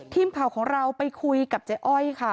ทีมข่าวของเราไปคุยกับเจ๊อ้อยค่ะ